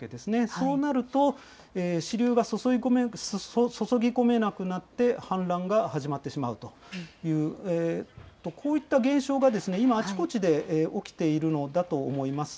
そうなると、支流が注ぎ込めなくなって、氾濫が始まってしまうという、こういった現象が今、あちこちで起きているのだと思います。